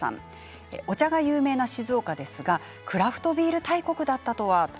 お茶が有名な静岡ですがクラフトビール大国だったとは。